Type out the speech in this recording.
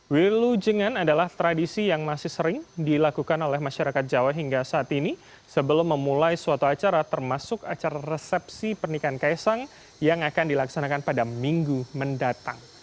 wilujengan adalah tradisi yang masih sering dilakukan oleh masyarakat jawa hingga saat ini sebelum memulai suatu acara termasuk acara resepsi pernikahan kaisang yang akan dilaksanakan pada minggu mendatang